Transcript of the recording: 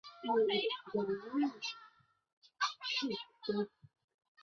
位于港町里达鲁旦特与母亲以贩卖村落特产之花封药为生。